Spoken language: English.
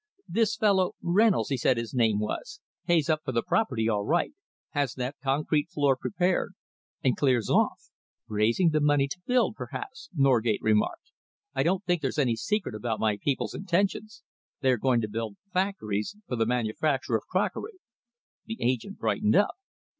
This fellow Reynolds, he said his name was pays up for the property all right, has that concrete floor prepared, and clears off." "Raising the money to build, perhaps," Norgate remarked. "I don't think there's any secret about my people's intentions. They are going to build factories for the manufacture of crockery." The agent brightened up.